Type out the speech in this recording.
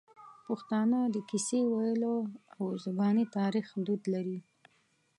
پښتانه د کیسې ویلو او زباني تاریخ دود لري.